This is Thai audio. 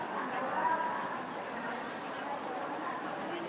มีอุปกรณ์ที่อยู่ทางอีกที